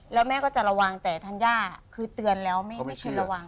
แล้วแม่ก็จะระวังแต่ธัญญาคือเตือนแล้วไม่ใช่ระวัง